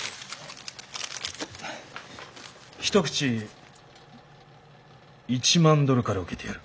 一口１万ドルから受けてやる。